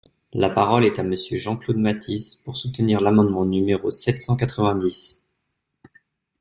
La parole est à Monsieur Jean-Claude Mathis, pour soutenir l’amendement numéro sept cent quatre-vingt-dix.